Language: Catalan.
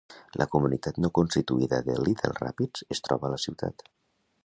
La comunitat no constituïda de Little Rapids es troba a la ciutat.